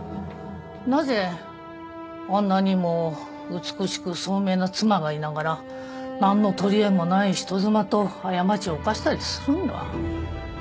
なぜあんなにも美しく聡明な妻がいながら何の取りえもない人妻と過ちを犯したりするんだ？